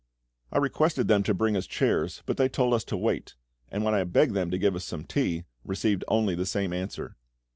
I requested them to bring us chairs, but they told us to wait; and when I begged them to give us some tea, received only the same answer.